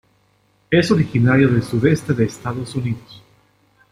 Es originario del sudeste de Estados Unidos.